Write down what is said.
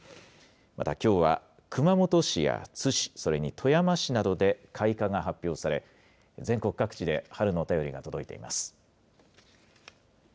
またきょうは、熊本市や津市、それに富山市などで開花が発表され、全国各地で春の便りが届いています。